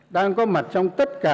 đang có mặt trong tất cả